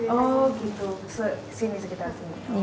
oh gitu sini sekitar sini